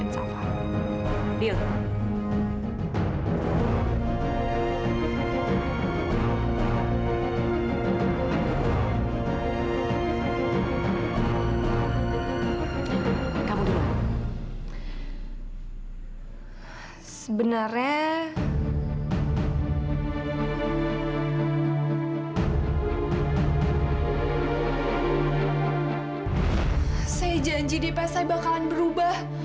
saya janji d p saya bakalan berubah